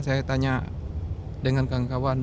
saya tanya dengan kawan kawan